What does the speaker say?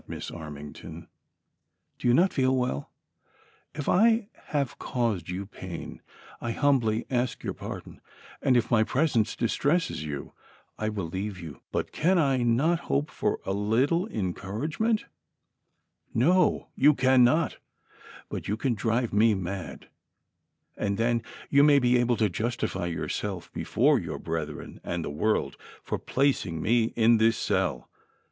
Miss Armington ? Do you not feel well? If I have caused you pain, I humbly ask your pardon, and if my presence distresses you, I will leave you ; but, can I not hope for a little encourage ment V "" No, you cannot ; but, you can drive me mad, and then you may be able to justify yourself before your brethren, and the world, for placing me in this cell